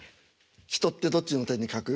「人」ってどっちの手に書く？